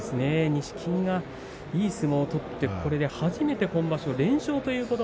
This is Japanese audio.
錦木がいい相撲を取って今場所、初めて連勝です。